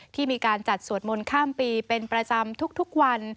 ที่มีการจัดสวดมนต์ข้ามปีเป็นประจำทุกวัน